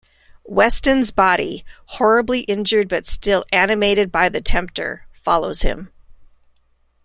Weston's body, horribly injured but still animated by the Tempter, follows him.